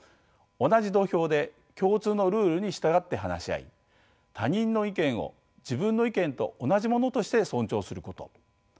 同じ土俵で共通のルールに従って話し合い他人の意見を自分の意見と同じものとして尊重すること。